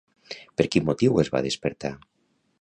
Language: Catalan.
Per quin motiu es va despertar?